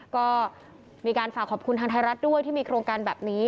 ก็มีการฝากขอบคุณทางไทยรัฐด้วยที่มีโครงการแบบนี้